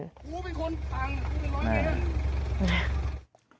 ผู้เป็นคนฟังผู้เป็นร้อยเวร